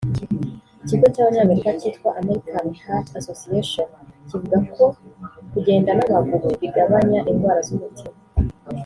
Ikigo cy’abanyamerika cyitwa American Heart Association kivuga ko kugenda n’amaguru bigabanya indwara z’umutima